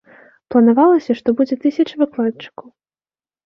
Планавалася, што будзе тысяча выкладчыкаў.